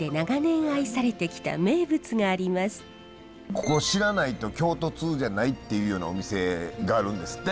ここ知らないと京都通じゃないっていうようなお店があるんですって。